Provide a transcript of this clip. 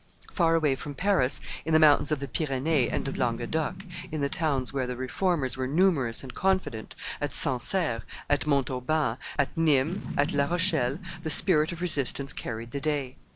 Far away from Paris, in the mountains of the Pyrenees and of Languedoc, in the towns where the Reformers were numerous and confident, at Sancerre, at Montauban, at Nimes, at La Rochelle, the spirit of resistance carried the day.